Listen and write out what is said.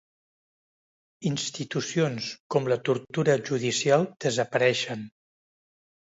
Institucions com la tortura judicial desapareixen.